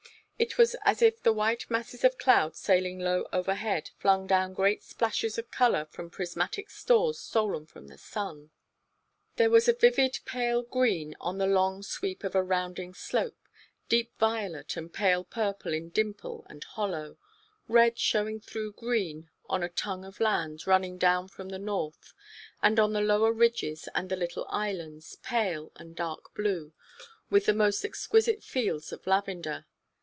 It was as if the white masses of cloud sailing low overhead flung down great splashes of color from prismatic stores stolen from the sun. There was a vivid pale green on the long sweep of a rounding slope, deep violet and pale purple in dimple and hollow, red showing through green on a tongue of land running down from the north; and on the lower ridges and little islands, pale and dark blue, and the most exquisite fields of lavender.